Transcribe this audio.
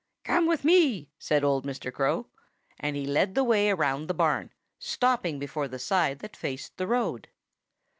"Come with me!" said old Mr. Crow. And he led the way around the barn, stopping before the side that faced the road.